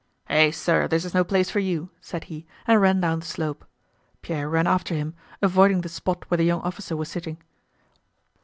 "Eh, sir, this is no place for you," said he, and ran down the slope. Pierre ran after him, avoiding the spot where the young officer was sitting.